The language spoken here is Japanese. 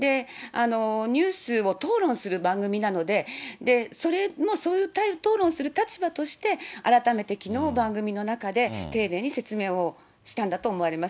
ニュースを討論する番組なので、それもそういう討論する立場として、改めてきのう、番組の中で丁寧に説明をしたんだと思われます。